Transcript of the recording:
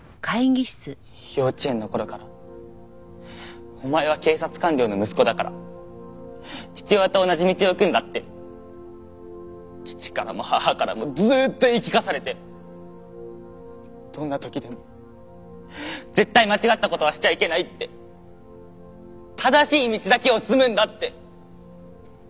幼稚園の頃からお前は警察官僚の息子だから父親と同じ道を行くんだって父からも母からもずーっと言い聞かされてどんな時でも絶対間違った事はしちゃいけないって正しい道だけを進むんだって。